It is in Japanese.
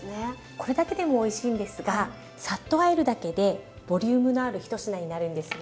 これだけでもおいしいんですがさっとあえるだけでボリュームのある一品になるんですよ。